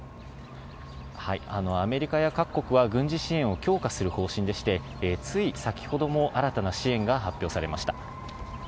アメリカや各国は軍事支援を強化する方針でして、つい先ほども新たな支援が発表されました。